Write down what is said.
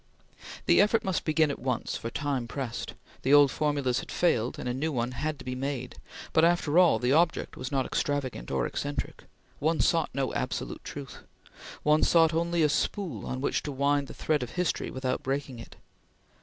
The effort must begin at once, for time pressed. The old formulas had failed, and a new one had to be made, but, after all, the object was not extravagant or eccentric. One sought no absolute truth. One sought only a spool on which to wind the thread of history without breaking it.